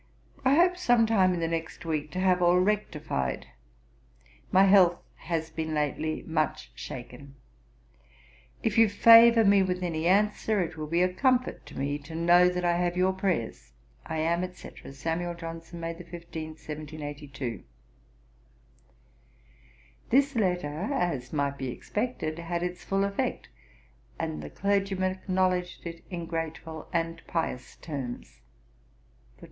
I hope, some time in the next week, to have all rectified. My health has been lately much shaken: if you favour me with any answer, it will be a comfort to me to know that I have your prayers. 'I am, &c., 'SAM. JOHNSON.' 'May 15, 1782.' This letter, as might be expected, had its full effect, and the clergyman acknowledged it in grateful and pious terms.